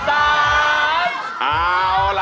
เอาล่ะ